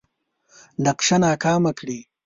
نقشه ناکامه کړي.